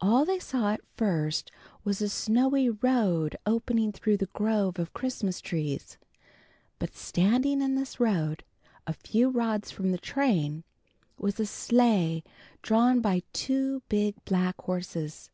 All they saw at first was a snowy road opening through the grove of Christmas trees, but standing in this road, a few rods from the train, was a sleigh drawn by two big black horses.